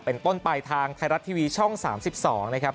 เป็นต้นไปทางไทยรัฐทีวีช่อง๓๒นะครับ